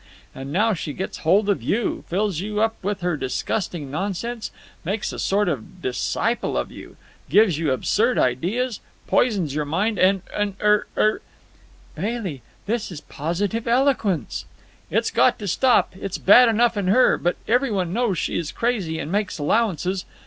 And now she gets hold of you, fills you up with her disgusting nonsense, makes a sort of disciple of you, gives you absurd ideas, poisons your mind, and—er—er——" "Bailey! This is positive eloquence!" "It's got to stop. It's bad enough in her; but every one knows she is crazy, and makes allowances.